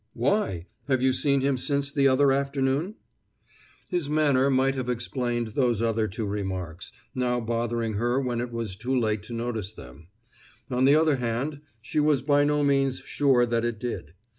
"Why? Have you seen him since the other afternoon?" His manner might have explained those other two remarks, now bothering her when it was too late to notice them; on the other hand, she was by no means sure that it did.